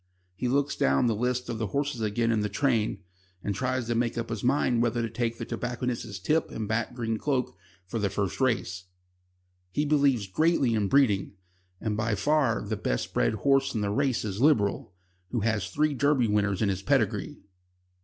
He looks down the lists of the horses again in the train, and tries to make up his mind whether to take the tobacconist's tip and back Green Cloak for the first race. He believes greatly in breeding, and by far the best bred horse in the race is Liberal, who has three Derby winners in his pedigree.